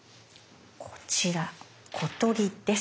こちら「小鳥」です。